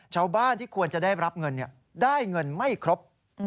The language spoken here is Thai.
ชาวบ้านที่ควรจะได้รับเงินได้เงินไม่ครบ